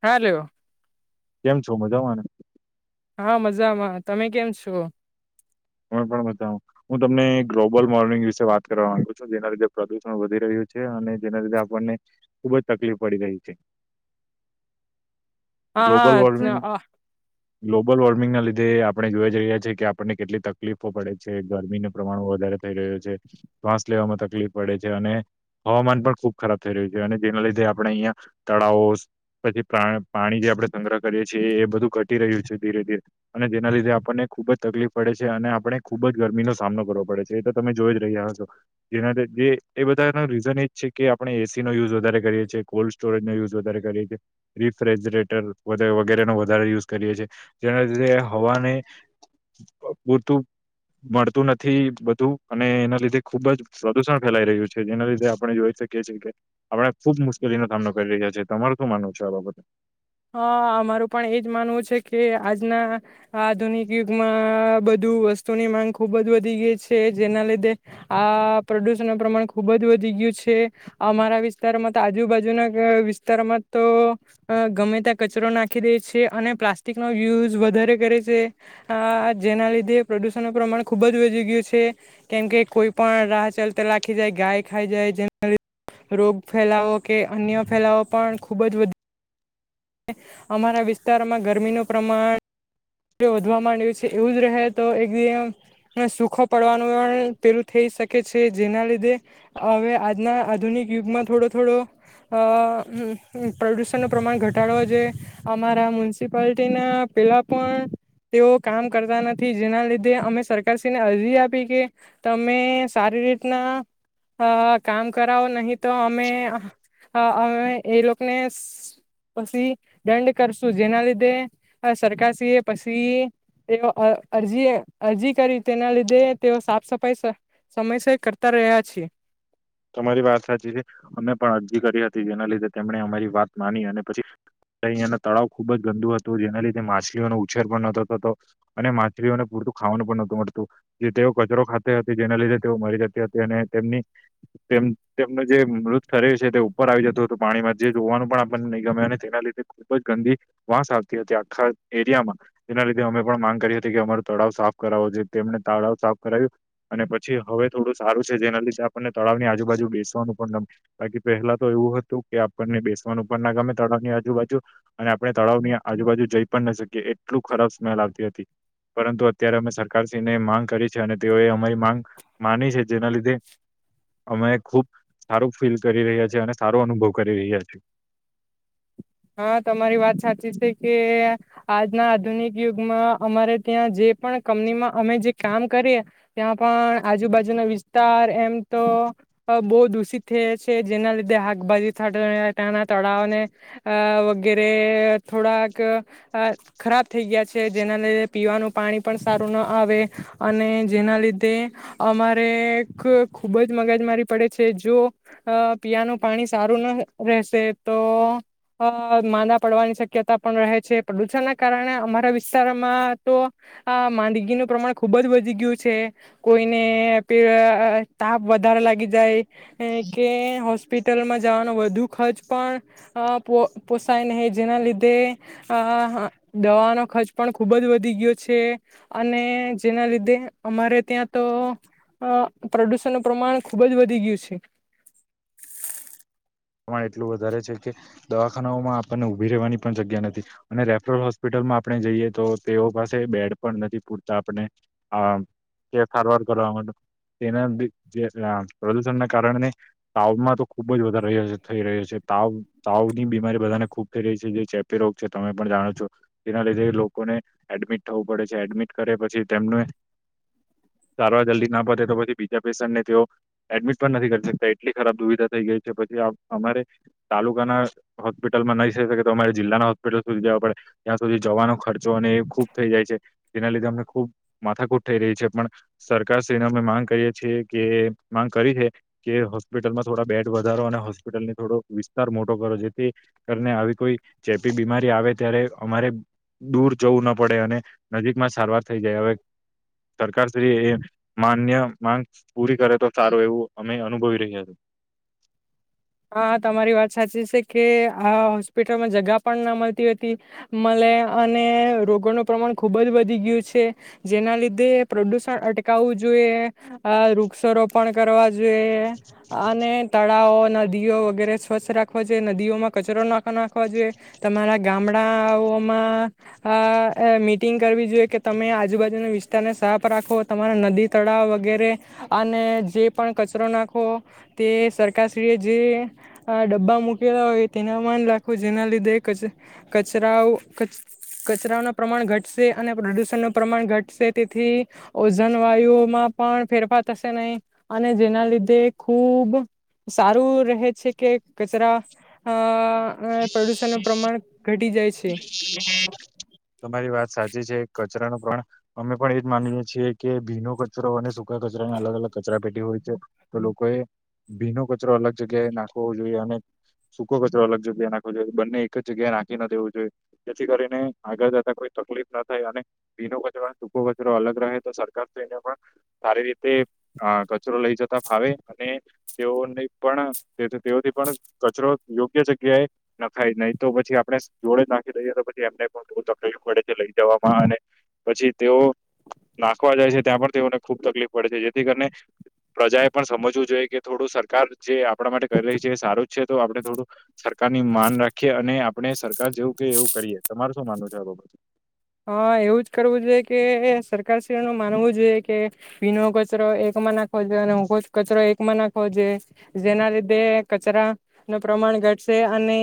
Hello. કેમ છો મજામાંને? હા મજામાં, તમે કેમ છો? અમેં પણ મજામાં. હું તમને ગ્લોબલ વોર્મિંગ વિશે વાત કરવા માંગુ છું, જેના લીધે પ્રદુષણ વધી રહ્યું છે અને જેના લીધે આપણને ખુબ જ તકલીફ પડી રહી છે. હા, ગ્લોબલ હા વોર્મિંગ [unintelligible] ગ્લોબલ વોર્મિંગના લીધે આપણે જોઈ જ રહ્યાં છીએ કે આપણને કેટલી તક લીફો પડે છે, ગરમીના પ્રમાણ વધારે થઈ રહ્યું છે, શ્વાસ લેવામાં તકલીફ પડે છે, અને હવામાન પણ ખુબ ખરાબ થઈ રહ્યું છે, અને જેના લીધે આપણે અહિયા તળાવો, પછી પ્રા પાણી જે આપણે સંગ્રહ કરીએ છીએ એ બધું ઘટી રહ્યું છે ધીરે-ધીરે, અને જેના લીધે આપણને ખુબ જ તકલીફ પડે છે. છે અને આપણે ખૂબ જ ગરમીનો સામનો કરવો પડે છે, એ તો તમે જોઈ જ રહ્યા હશો. જેના લીધે એ બધાનો રીઝન એ જ છે કે આપણે એ સીનો યુઝ વધારે કરીએ છીએ, કોલ્ડ સ્ટોરેજનો યુઝ વધારે કરીએ છીએ, રિફ્રેજરેટર વધે વગેરેનો વધારે યુઝ કરીએ છે, જેના લીધે હવાને પૂરતું મળતું નથી બધું, અને એના લીધે ખુબ જ પ્રદુષણ ફેલાઈ રહ્યું છે જેના લીધે આપણે જોઈ શકીએ છીએ કે આપણે ખુબ મુશ્કેલીનો સામનો કરી રહ્યા છીએ. તમારું શું માનવું છે આ બાબતે? હા અમારું પણ એજ માનવું છે કે આજના આધુનિક યુગમાં બધું વસ્તુની માંગ ખુબ જ વધી ગઈ છે. જેના લીધે આ પ્રદુષણનું પ્રમાણ ખુબ જ વધી ગયું છે. અમારા વિસ્તારમાં તો આજુબાજુના અહ વિસ્તારમાં અહ તો ગમે ત્યાં કચરો નાખી દે છે, અને પ્લાસ્ટિકનો યુઝ વધારે કરે છે. આ જેના લીધે પ્રદૂષણનું પ્રમાણ ખૂબ જ વધી ગયું છે, કેમકે કોઈ પણ રાહ ચાલતા લાખી જાય ગાય ખાઈ જાય જેના લીધે રોગ ફેલાવો કે અન્ય ફેલાવો પણ ખૂબ જ વધ અમારા વિસ્તારમાં ગરમીનું પ્રમાણ વધવા માંડ્યું છે. એવું જ રહે તો એક દિવસ સુખો પડવાનું પણ પેલું થઈ શકે છે, જેના લીધે હવે આજના આધુનિક યુગમાં થોડો-થોડો અહ પ્રદુષણનું પ્રમાણ ઘટ ટાડવો જોઈએ. અમારા મ્યુનિસિપાલિટીના પેલા પણ તેઓ કામ કરતા નથી, જેના લીધે અમે સરકારશ્રીને અરજી આપી કે તમે સારી રીતના અહ કામ કરાવો નહીં તો અમે આ હા અમે એ લોકને પછી દંડ કરશું, જેના લીધે સરકારશ્રીએ પછી તેનો અ અરજી-અરજી કરી તેના લીધે તેઓ સાફ સફાઈ સ સમયસર કરતા રહ્યા છે. તમારી વાત સાચી છે. અમે પણ અરજી કરી હતી જેના લીધે તેમણે અમારી વાત માની અને પછી અહીયાના તળાવ ખુબ જ ગંદુ હતું, જેના લીધે માછલીઓનો ઉછેર પણ નતો થતો, અને માછલીઓને પૂરતું ખાવાનું પણ નહતું મળતું. જે તેઓ કચરો ખાતી હતી જેના લીધે તેઓ મરી જતી હતી અને તેમની તેમ તેમનું જે મૃત કરે છે તે ઉપર આવી જતું હતું પાણીમાં, જે જોવાનું પણ આપને નહીં ગમે અને તેના લીધે ખુબ જ ગંદી વાસ આવતી હતી આખા એરિયામાં. જેના લીધે અમે પણ માંગ કરી હતી કે અમારો તળાવ સાફ કરાવો જે તેમને તળાવ સાફ કરાવ્યું અને પછી હવે થોડું સારું છે જેના લીધે આ આપણને તળાવની આજુબાજુ બેસવાનું પણ ગમે, બાકી પહેલા તો એવું હતું કે આપણને બેસવાનું પણ ના ગમે તળાવની આજુબાજુ અને આપણે તળાવની આજુબાજુ જઈ પણ ન શકીએ, એટલું ખરાબ સ્મેલ આવતી હતી, પરંતુ અત્યારે અમે સરકારશ્રીને માંગ કરી છે અને તેઓએ અમારી માંગ માની છે. જેના લીધે અમે ખૂબ સારું ફીલ કરી રહ્યા છીએ, અને સારો અનુભવ કરી રહ્યા છીએ. હા તમારી વાત સાચી છે, કે આજના આધુનિક યુગમાં અમારે ત્યાં જે પણ કંપનીમાં અમે જે કામ કરીએ ત્યાં પણ આજુબાજુના વિસ્તાર એમ તો બહુ અહ દૂષિત થયે છે જેના લીધે હકભાજી [unintelligible] ત્યાંના તળાવને અહ વગેરે થોડાક અહ ખરાબ થઈ ગયા છે. જેના લીધે પીવાનું પાણી પણ સારું ન આવે અને જેના લીધે અમારે ખ ખૂબ જ મગજમારી પડે છે. જો અહ પીવાનું પાણી સારું ન રહેશે તો અહ માંદા પડવાની શક્યતા પણ રહે છે. પ્રદૂષણના કારણે અમારા વિસ્તારમાં તો માંદગીનું અહ પ્રમાણ ખૂબ જ વધી ગયું છે. કોઈને પે તાપ વધારે લાગી જાય અહ કે હોસ્પિટલમાં જવાનો વધુ ખર્ચ પણ અહ પો પોસાય નહી જેના લીધે આ દવાનો ખર્ચ પણ ખૂબ જ વધી ગયો છે. અને જેના લીધે અમારે ત્યાં તો અહ પ્રદુષણનું પ્રમાણ ખૂબ જ વધી ગયું છે. પ્રમાણ એટલું વધારે છે કે દવાખાનાઓમાં આપણને ઊભી રહેવાની પણ જગ્યા નથી. અને રેફરલ હોસ્પિટલમાં આપણે જઈએ તો તેઓ પાસે બેડ પણ નથી પૂરતા આપને અહ તે સારવાર કરવા માટે, તેના બીક જેટલા પ્રદુષણના કારણે તાવમાં તો ખુબ જ વધારે રહ્યો થઈ રહ્યો છે. તાવ-તાવની બીમારી બધાને ખૂબ થઈ રહી છે, જે ચેપી રોગ છે. તમે પણ જાણો જ છો. તેના લીધે લોકોને એડમિટ થવું પડે છે, એડમિટ કર્યા પછી તેમને સારવાર જલ્દી ના પતે તો પછી બીજા પેશન્ટને તેઓ એડમિટ પણ નથી કરી શકતા એટલી ખરાબ દુવિધા થઈ ગઈ છે પછી આ અમારે તાલુકાના હોસ્પિટલમાં નહી થઈ શકે તો અમારે જિલ્લાના હોસ્પિટલ સુધી જવા પડે, ત્યાં સુધી જવાનો ખર્ચો અને એ ખૂબ થઈ જાય છે. જેના લીધે અમને ખૂબ માથાકૂટ થઈ રહી છે, પણ સરકારશ્રીને અમે માંગ કરીએ છીએ કે માંગ કરી છે કે હોસ્પિટલમાં થોડા બેડ વધારો અને હોસ સ્પિટલને થોડોક વિસ્તાર મોટો કરો જેથી કરીને આવી કોઈ ચેપી બીમારી આવે ત્યારે અમારે દૂર જવું ન પડે, અને નજીકમાં સારવાર થઈ જાય. હવે સરકારશ્રી એ માન્ય માંગ પૂરી કરે તો સારું એવું અમે અનુભવી રહ્યા છે. હા તમારી વાત સાચી સે, કે આ હોસ્પિટલમાં જગા પણ ના મલતી હતી મળે અને રોગોનું પ્રમાણ ખુબ જ વધી ગયું છે, જેના લીધે પ્રદુષણ અટકાવવું જોઈએ, અહ વૃક્ષારોપણ પણ કરવા જોઈએ અને તળાવો નદી નદીઓ વગેરે સ્વચ્છ રાખવો જોઈએ નદીઓમાં કચરો ના નાખવા જોઈએ તમારા ગામડાઓમાં મીટિંગ કરવી જોઈએ કે તમે આજુબાજુના વિસ્તારને સાફ રાખો તમારા નદી તળાવ વગેરે અને જે પણ કચરો નાખો તે સરકારશ્રીએ જે ડબ્બા મૂકેલા હોય તેનામાં જ લખવું જેના લીધે કચરાઓ કચરાઓના પ્રમાણ ઘટશે અને પ્રદુષણનું પ્રમાણ ઘટશે તેથી ઓઝન વાયુઓમાં પણ ફેરફાર થશે નહી અને જેના લીધે ખૂબ રહે છે કે કચરા પ્રદૂષણનું પ્રમાણ ઘટી જાય છે. તમારી વાત સાચી છે કચરાનું પ્રમાણ અમે પણ એજ માનીએ છીએ કે ભીનો કચરો અને સૂકા કચરા અલગ અલગ કચરાપેટી હોવી તો લોકોએ ભીનો કચરો અલગ જગ્યાએ નાખવો જોઈએ અને સૂકો કચરો અલગ જગ્યાએ નાખવો જોઈએ. બંને એક જ જગ્યાએ નાખી ના દેવું જોઈએ જેથી કરીને આગળ જતા કોઈ તકલીફ ના થાય અને ભીનો કચરો સૂકો કચરો અલગ રહે તો સરકાર તેને પણ સારી રીતે કચરો લઈ જતા ફાવે અને તેઓને પણ તેઓથી પણ કચરો યોગ્ય જગ્યાએ નાખાય નહી તો પછી આપણે જોડે જ નાખી દઈએ તો પછી એમને પણ થોડુ તકલીફ પડે છે લઈ જવામાં અને પછી તેઓ નાખવા જાય છે ત્યાં પણ તેઓને ખુબ તકલીફ પડે છે જેથી કરીને પ્રજાએ પણ સમજવું જોઈએ કે થોડું સરકાર જે આપણા માટે કરી રહી છે એ સારું જ છે તો આપણે થોડું સરકારની માન રાખીએ અને આપણે સરકાર જેવું કે એવું કરીએ તમારું શું માનવું છે બાબત. હા એવું જ કરવું જોઈએ કે સરકારશ્રીનું માનવું જોઈએ કે ભીનો કચરો એકમા નાખવો જોઈએ અને સુખો કચરો એકમા નાખવો જોઈએ. જેના લીધે કચરાનું પ્રમાણ ઘટશે અને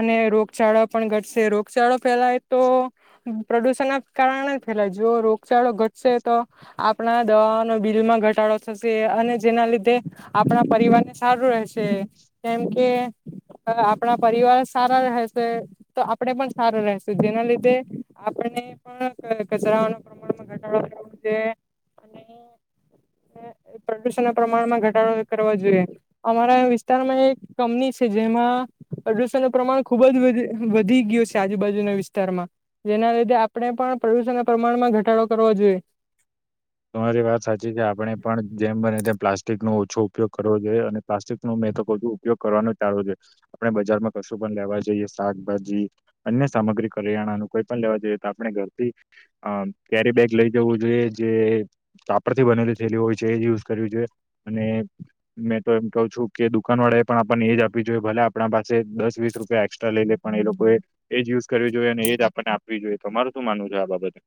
અને રોગચાળો પણ ઘટશે રોગચાળો ફેલાય તો પ્રદુષણના કારણે ફેલાય જો રોગચાળો ઘટશે તો આપણા દવાઓનો બિલમાં ઘટાડો થશે અને જેના લીધે આપણા પરિવારને સારું રહેશે. કેમ કે આપણા પરિવાર સારા રહેશે તો આપણે પણ સારા રહેશુ જેના લીધે આપણને પણ કચરાઓનાં પ્રમાણમાં ઘટાડો કરવો જોઈએ અને પ્રદુષણના પ્રમાણમાં ઘટાડો કરવા જોઈએ અમારા વિસ્તારમાં એક કંપની છે જેમાં પ્રદુષણનું પ્રમાણ ખુબ જ વધી ગયું છે આજુબાજુના વિસ્તારમાં. જેના લીધે આપણે પણ પ્રદુષણ ના પ્રમાણમાં ઘટાડો કરવો જોઈએ તમારી વાત સાચી છે આપણે પણ જેમ બને તેમ પ્લાસ્ટિકનો ઓછો ઉપયોગ કરવો જોઈએ અને પ્લાસ્ટિક ન મેં તો વધધુ ઉપયોગ કરવાનો ચાલો જો આપણે બજારમાં કશું પણ લેવા જઈએ શાકભાજી અન્ય સામગ્રી કરિયાણાનું કોઈ પણ લેવા જોઈએ તો આપણે ઘરથી અ કેરી બેગ લઈ જવું જોઈએ જે કાપડ થી બનેલી થયેલી હોય છે એ જ યુઝ કરવી જોઈએ અને મેં તો એમ કહ છું કે દુકાન વાળા એ પણ આપણને એજ આપવી જોઈએ ભલે આપણા પાસે દસ વીસ રૂપિયા એસ્ટ્રા લઈ લે પણ એ લોકોએ એ જ યુઝ કરવી જોઈએ અને એજ આપણને આપવી જોઈએ તો તમાર શું માનવું છે આ બાબતે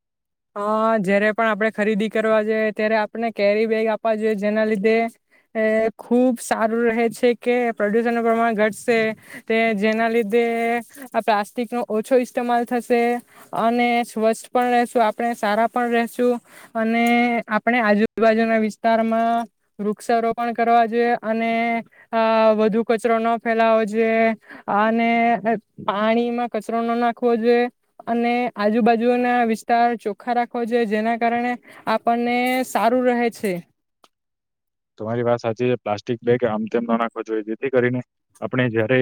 અ જ્યારે પણ આપણે ખરીદી કરવા જોઈએ ત્યારે આપણે કેરી બેગ આપવા જોઈએ જેના લીધે ખુબ સારું રહે છે કે પ્રદુષણ ન પ્રમાણ ઘટશે તે જેના લીધે આ પ્લાસ્ટિક નો ઓછો ઇસ્તેમાલ થશે અને સ્વચ્છ પણ રહેશું આપણે સારા પણ રશું અને આપણે આજુબાજુના વિસ્તારમાં વૃક્ષક્ષારોપણ કરવા જોઈએ અને વધુ કચરો ન ફેલાવો જોઈએ અને પાણીમાં કચરો ન નાખવો જોઈએ અને આજુબાજુના વિસ્તાર ચોખા રાખવો જોઈએ જેના કારણે આપણને સારું રહે છે તમારી વાત સાચી છે પ્લાસ્ટિક બેગ આમ તેમ ના નાખવો જોઈએ જેથી કરીને આપણે જયારે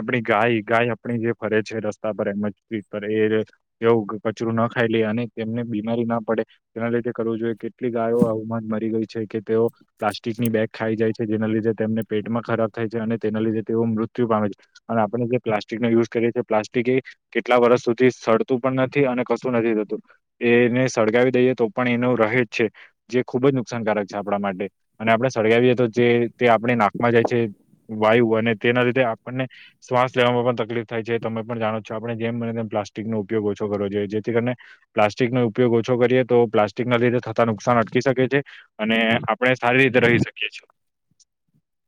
આપણી ગાય ગાય આપણી જે ફરે છે રસ્તા પર એમ પર એ તેઓ કચરું ના ખાઈ લે અને તેમને બીમારી ના પડે તેના લીધે કરવું જોઈએ કેટલી ગાયો આવમાં જ મરી ગઈ છે કે તેઓ પ્લાસ્ટિકની બેગ ખાઈ જાય છે જેના લીધે તેમને પેટમાં ખરાબ થાય છે અને તેના લીધે તેઓ મૃત્યુ પામે છે અને આપણે જે પ્લાસ્ટિકનો યુઝ કરીએ છી પ્લાસ્ટિક એ કેટલા વર્ષ સુધી સડતું પણ નથી અને કશું નથી થતું એને સળગાવી દઈએ તો પણ એનો રહેજ છે જે ખૂબ જ નુકસાનકારક છે આપણા માટે અને આપણે સળગાવીએ તો જે તે આપણે નાકમાં જાય છે વાયુ અને તેના લીધે આપણને શ્વાસ લેવામાં પણ તકલીફ થાય છે તમે પણ જાણો છો આપણે જેમ મને તેમ પ્લાસ્ટિક નો ઉપયોગ ઓછો કરવો જોઈએ જેથી કરીને પ્લાસ્ટિક નો ઉપયોગ ઓછો કરીએ તો પ્લાસ્ટિક ના લીધે થતા નુકસાન અટકી શકે છે અને આપણે સારી રીતે રહી શકીએ છીએ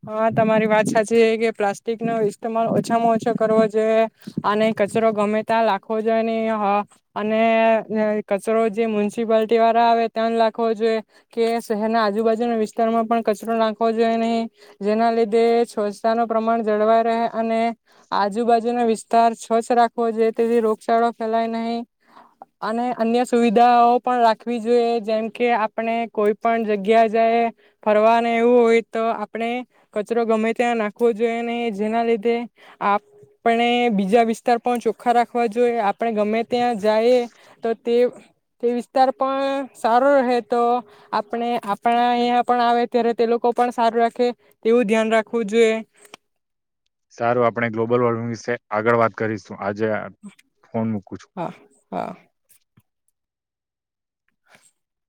હા તમારી વાત સાચી કે પ્લાસ્ટિક નો ઇસતમાલ ઓછામાં ઓછો કરવો જોઈએ અને કચરો ગમે ત્યાં લખવો જોઈએ નહી હ અને કચરો જે મ્યુનિસિપાલટી વાળા આવે ત્યાં લખવો જોઈએ કે શહેરના આજુબાજુના વિસ્તારમાં પણ કચરો નાખવો જોઈએ નહી જેના લીધે સ્વચ્છતા ન પ્રમાણ જળવાય રહે અને આજુબાજુનો વિસ્તાર સ્વચ્છ રાખવો જોઈએ તેથી રોગચાળો ફેલાય નહીં અને અન્ય સુવિધાઓ પણ રાખવી જોઈએ જેમ કે આપણે કોઈ પણ જગ્યા જાય ફરવાને એવું હોય તો આપણે કચરો ગમે ત્યાં નાખવો જોઈએ ને જેના લીધે આપણે બીજા વિસ્તાર પણ ચોખ્ખા રાખવા જોઈએ આપણે ગમે ત્યાં જઈ તો તે તે વિસ્તાર પણ સારો રહે તો આપણે આપણા અહીંયા પણ આવે ત્યારે તે લોકો પણ સારું રાખે એવું ધ્યાન રાખવું જોઈએ સારું આપણે ગ્લોબલ વોર્મિંગ વિશે આગળ વાત કરીશું આજે ફોન મૂકું છું હા હા [inaudible]